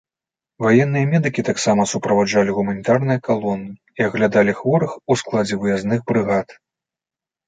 Ваенныя медыкі таксама суправаджалі гуманітарныя калоны і аглядалі хворых у складзе выязных брыгад.